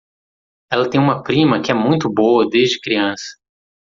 Ela tem uma prima que é muito boa desde criança.